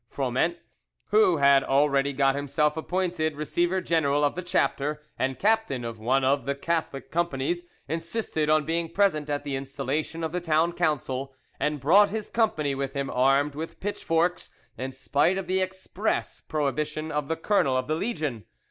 Froment, who had already got himself appointed Receiver General of the Chapter and captain of one of the Catholic companies, insisted on being present at the installation of the Town Council, and brought his company with him armed with pitchforks, in spite of the express prohibition of the colonel of the legion.